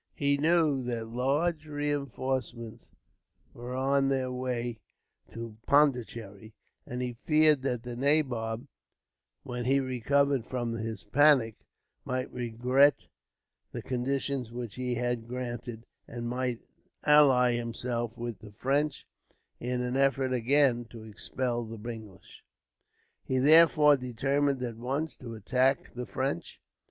He knew that large reinforcements were on their way to Pondicherry, and he feared that the nabob, when he recovered from his panic, might regret the conditions which he had granted, and might ally himself with the French in an effort, again, to expel the English. He therefore determined at once to attack the French.